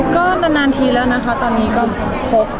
ก็นานทีแล้วนะคะตอนนี้ก็พบ